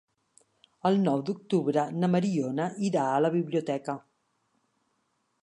El nou d'octubre na Mariona irà a la biblioteca.